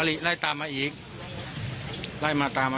จริงช่วยลูกมาจัดการใจ